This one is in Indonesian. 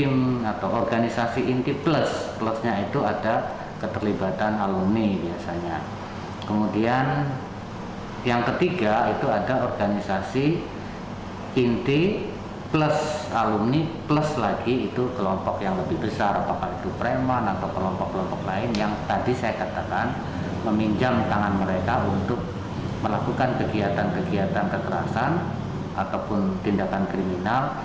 melakukan kegiatan kegiatan kekerasan ataupun tindakan kriminal